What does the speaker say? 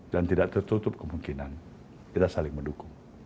dan tidak tertutup kemungkinan kita saling mendukung